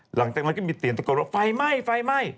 หลังจากนั้นก็มีตีนตะกดฟัยไหม้